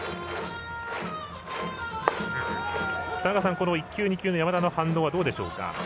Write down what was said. この１球２球の山田の反応はどうでしょうか。